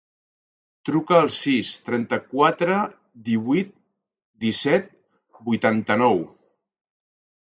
Truca al sis, trenta-quatre, divuit, disset, vuitanta-nou.